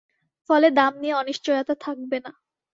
ফলে দাম নিয়ে অনিশ্চয়তা থাকবে না।